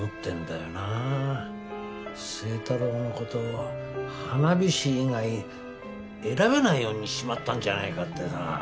星太郎の事花火師以外選べないようにしちまったんじゃないかってさ。